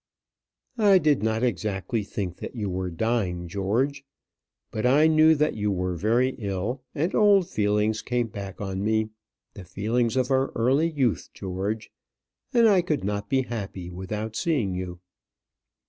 "I did not exactly think that you were dying, George; but I knew that you were very ill, and old feelings came back on me. The feelings of our early youth, George; and I could not be happy without seeing you."